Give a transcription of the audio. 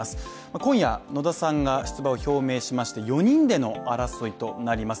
今夜、野田さんが出馬を表明しまして４人での争いとなります。